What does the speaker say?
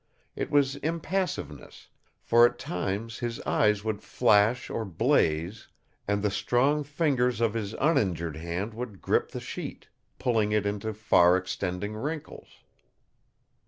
It was impassiveness, for at times his eyes would flash or blaze, and the strong fingers of his uninjured hand would grip the sheet, pulling it into far extending wrinkles.